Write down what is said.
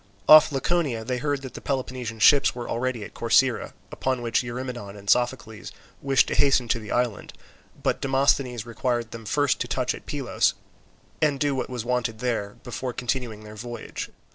Off Laconia they heard that the Peloponnesian ships were already at Corcyra, upon which Eurymedon and Sophocles wished to hasten to the island, but Demosthenes required them first to touch at Pylos and do what was wanted there, before continuing their voyage.